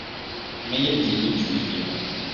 mɛyɛ deɛ metumi biara.